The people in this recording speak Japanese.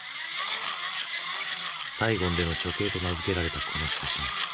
「サイゴンでの処刑」と名付けられたこの写真。